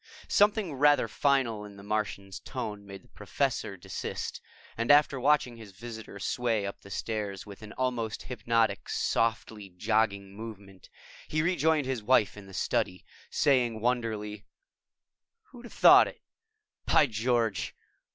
Something rather final in the Martian's tone made the Professor desist, and after watching his visitor sway up the stairs with an almost hypnotic softly jogging movement, he rejoined his wife in the study, saying wonderingly, "Who'd have thought it, by George!